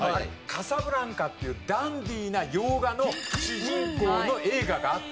『カサブランカ』っていうダンディーな洋画の主人公の映画があった。